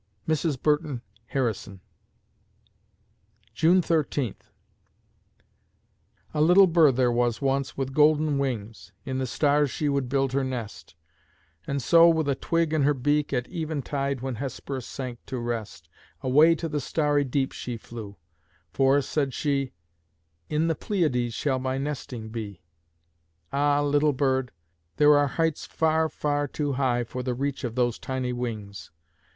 MRS. BURTON HARRISON June Thirteenth A little bird there was once, with golden wings; In the stars she would build her nest; And so, with a twig in her beak, at eventide When Hesperus sank to rest, Away to the starry deep she flew; for said she, "In the Pleiades shall my nesting be!" Ah, little bird! There are heights far, far too high For the reach of those tiny wings!